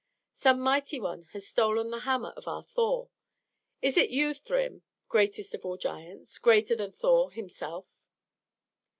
Some mighty one has stolen the hammer of our Thor. Is it you, Thrym, greatest of all giants greater than Thor himself?"